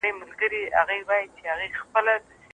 هغې د سرطان په لومړنۍ بڼه تشخیص شوې وه.